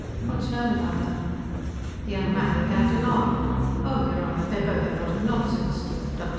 What is known about them?" The young man began to laugh. "Oh, your Honor, they're both a lot of nonsense. Dr.